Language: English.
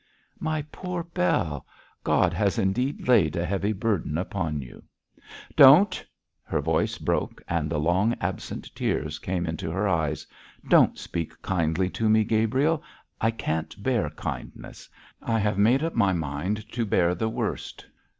'My poor Bell! God has indeed laid a heavy burden upon you.' 'Don't!' Her voice broke and the long absent tears came into her eyes. 'Don't speak kindly to me, Gabriel; I can't bear kindness. I have made up my mind to bear the worst.